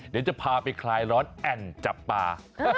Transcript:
เดี๋ยวจะพาไปคลายร้อนแอ่นจับปลา